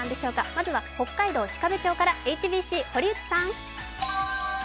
まずは北海道鹿部町からＨＢＣ、堀内さん。